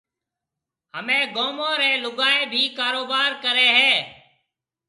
ھميَ گومون رَي لوگائيَ ڀِي ڪاروبار ڪرَي ھيََََ